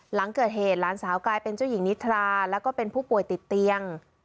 หลังเกิดเหตุหลานสาวกลายเป็นเจ้าหญิงนิทราแล้วก็เป็นผู้ป่วยติดเตียง